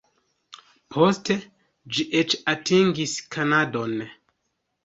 Poste ĝi eĉ atingis Kanadon.